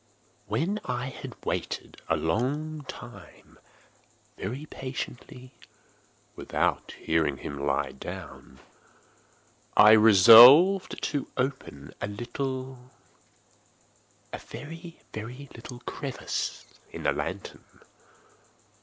When I had waited a long time, very patiently, without hearing him lie down, I resolved to open a little—a very, very little crevice in the lantern.